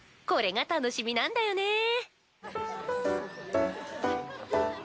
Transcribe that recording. これが楽しみなんだよね。